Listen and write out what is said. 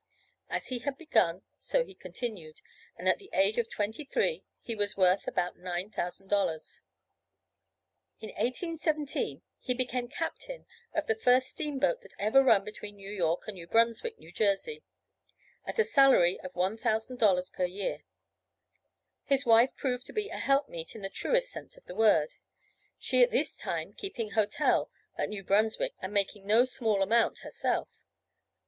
As he had begun, so he continued, and at the age of twenty three he was worth about $9,000. In 1817 he became captain of the first steam boat that ever run between New York and New Brunswick, New Jersey, at a salary of $1,000 per year. His wife proved to be a helpmeet in the truest sense of the word, she at this time keeping hotel at New Brunswick and making no small amount herself.